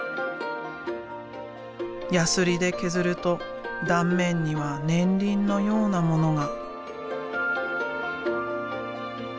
ヤスリで削ると断面には年輪のようなものが。